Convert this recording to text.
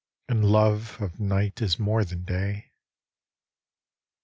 And love of night is more than day.